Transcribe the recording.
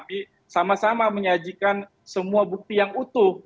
jadi sama sama menyajikan semua bukti yang utuh